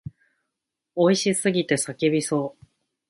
美味しすぎて叫びそう。